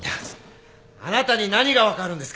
あなたに何が分かるんですか。